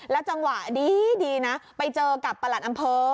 จังหวะดีนะไปเจอกับประหลัดอำเภอ